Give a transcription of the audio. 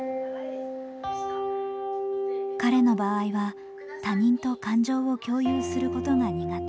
彼の場合は他人と感情を共有することが苦手。